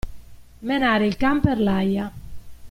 Menare il can per l'aia.